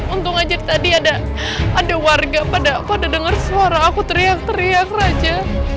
untung aja tadi ada ada warga pada pada denger suara aku teriak teriak raja